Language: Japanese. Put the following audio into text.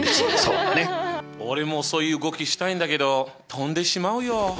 俺もそういう動きしたいんだけど飛んでしまうよ。